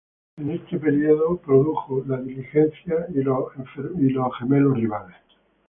En este período produjo: "The Stage Coach" y "The Twin Rivals".